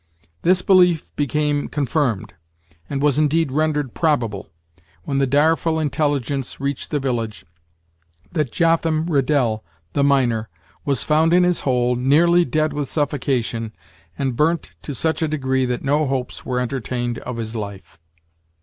This belief became confirmed, and was indeed rendered probable, when the direful intelligence reached the village that Jotham Riddel, the miner, was found in his hole, nearly dead with suffocation, and burnt to such a degree that no hopes were entertained of his life.